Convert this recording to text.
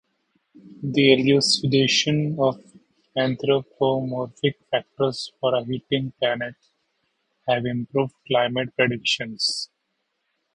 The elucidation of anthropomorphic factors for a heating planet have improved climate predictions.